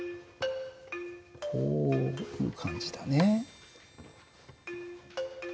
こういう感じだね。